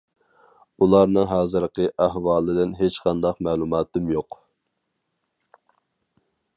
ئۇلارنىڭ ھازىرقى ئەھۋالىدىن ھېچقانداق مەلۇماتىم يوق.